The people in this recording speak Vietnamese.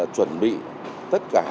chuẩn bị tất cả